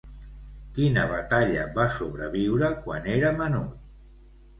Quina batalla va sobreviure quan era menut?